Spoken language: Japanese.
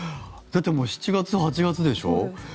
だって、もう７月、８月でしょ